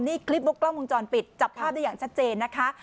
นี่คลิปมุกกล้องวงจรปิดจับภาพได้อย่างชัดเจนนะคะ